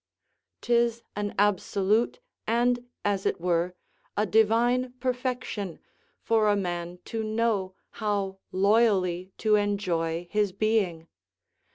'Tis an absolute and, as it were, a divine perfection, for a man to know how loyally to enjoy his being.